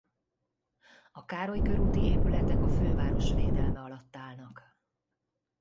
A Károly körúti épületek a főváros védelme alatt állnak.